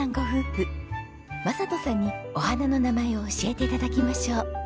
正人さんにお花の名前を教えて頂きましょう。